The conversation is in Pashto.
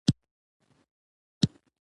دې ژبې ته په پوره درناوي وګورئ.